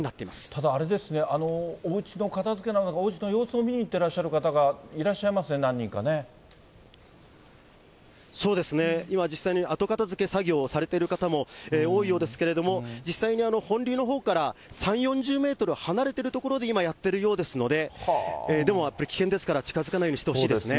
ただあれですね、おうちの片づけなど、おうちの様子を見に行っていらっしゃる方がいらっしゃいますね、そうですね、今、実際に後片づけ作業をされている方も多いようですけれども、実際に本流のほうから３、４０メートル離れている所で今、やっているようですので、でもやっぱり危険ですから、近づかないようにしてほしいですね。